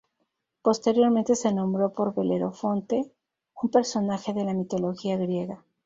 Posteriormente se nombró por Belerofonte, un personaje de la mitología griega.